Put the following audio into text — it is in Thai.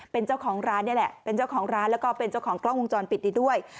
เป็นเจ้าของร้านนี่แหละเป็นเจ้าของร้านแล้วก็เป็นเจ้าของกล้องวงจรปิดนี้ด้วย